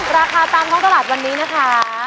ราคาตามท้องตลาดวันนี้นะคะ